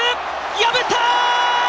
破った！